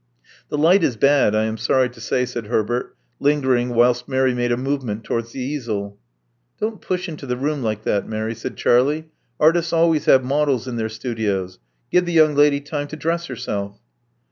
The light is bad, I am sorry to say," said Herbert, lingering whilst Mary made a movement towards the easel. Don't push into the room like that, Mary," said Charlie. Artists always have models in their studios. Give the young lady time to dress herself."